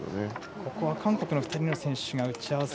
ここは韓国の２人の選手が打ち合わせ。